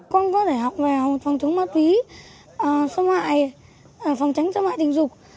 con có thể học về phòng chống ma túy sơ mại phòng tránh sơ mại tình dục